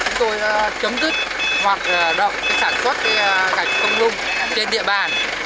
chúng tôi chấm dứt hoạt động sản xuất gạch công lung trên địa bàn